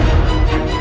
aku mau pergi